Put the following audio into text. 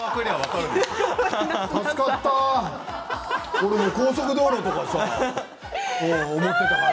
俺は高速道路かと思っていたから。